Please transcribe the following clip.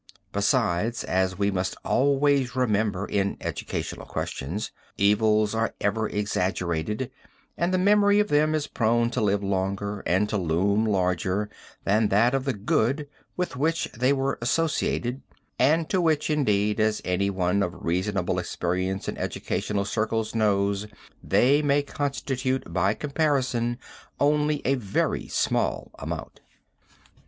Besides as we must always remember in educational questions, evils are ever exaggerated and the memory of them is prone to live longer and to loom up larger than that of the good with which they were associated and to which indeed, as anyone of reasonable experience in educational circles knows, they may constitute by comparison only a very small amount.